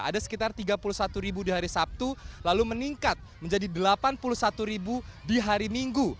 ada sekitar tiga puluh satu ribu di hari sabtu lalu meningkat menjadi delapan puluh satu ribu di hari minggu